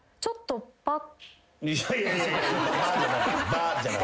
いやいや「バ」じゃない。